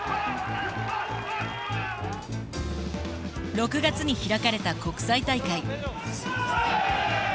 ６月に開かれた国際大会。